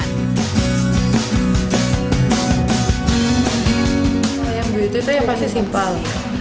yang beauty itu yang pasti simpel